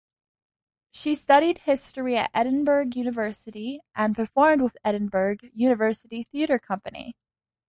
She studied history at Edinburgh University, and performed with the Edinburgh University Theatre Company.